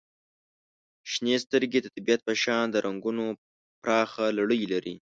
• شنې سترګې د طبیعت په شان د رنګونو پراخه لړۍ لري.